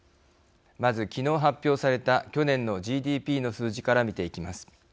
まず、昨日発表された去年のＧＤＰの数字から見ていきます。